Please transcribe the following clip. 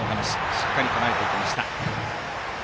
しっかりとらえていきました。